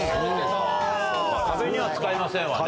壁には使いませんわね。